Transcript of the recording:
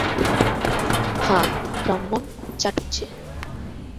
হাঁ, ব্রাহ্মণ, চাটুজ্জে।